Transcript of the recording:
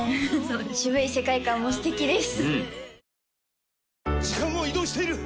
渋い世界観も素敵です